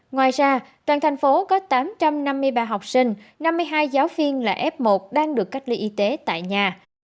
ngoài ra toàn thành phố có tám trăm năm mươi ba học sinh năm mươi hai giáo viên là f một đang được cách ly y tế tại nhà